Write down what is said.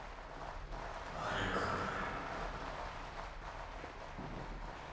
悪くない。